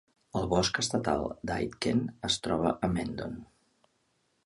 El bosc estatal d'Aitken es troba a Mendon.